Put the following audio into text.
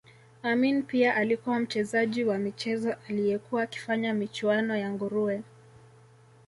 Amin pia alikuwa mchezaji wa michezo aliyekuwa akifanya michuano ya nguruwe